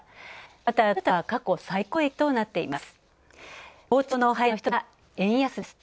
また、トヨタは過去最高益となっています。